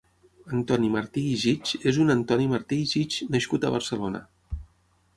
Antoni Martí i Gich és un antoni Martí i Gich, nascut a Barcelona.